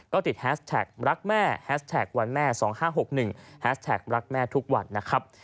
ก็ติดแฮสแท็กรักแม่แฮสแท็กวันแม่๒๕๖๑แฮสแท็กรักแม่ทุกวันนะครับ